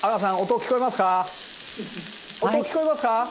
音聞こえますか？